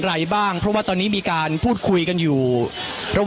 เดี๋ยวฟังบริกาศสักครู่นะครับคุณผู้ชมครับคุณผู้ชมครับ